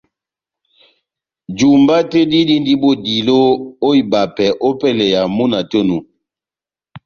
Jumba tɛ́h dí dindi bodilo ó ibapɛ ópɛlɛ ya múna tɛ́h onu